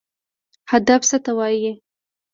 هدف څه ته وایي؟